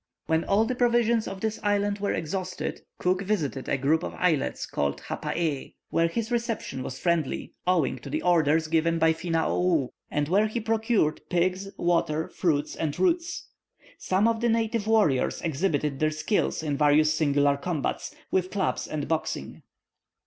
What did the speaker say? '" When all the provisions of this island were exhausted, Cook visited a group of islets called Hapaee, where his reception was friendly, owing to the orders given by Finaou, and where he procured pigs, water, fruits, and roots. Some of the native warriors exhibited their skill in various singular combats, with clubs and boxing.